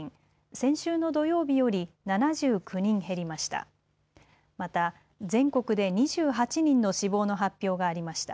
先週の土曜日より７９人減りました。